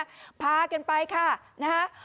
พากันไปค่ะเป็นพักสูงระเบียบ